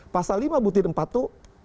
pasal lima butir empat itu